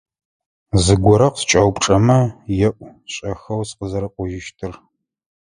Зыгорэ къыскӏэупчӏэмэ, еӏу шӏэхэу сыкъызэрэкӏожьыщтыр.